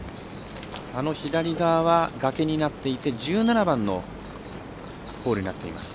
左側は崖になっていて１７番のホールになっています。